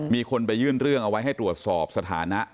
มีคนไปยื่นเรื่องเอาไว้ให้ตรวจสอบสถานะ